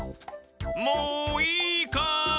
もういいかい？